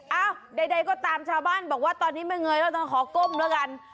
ใดก็ตามชาวบ้านบอกว่าตอนนี้ไม่เงยแล้วต้องขอก้มแล้วกัน